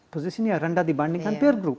posisinya rendah dibandingkan peer group